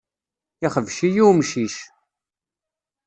Ixbec-iyi umcic.